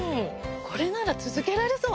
これなら続けられそう！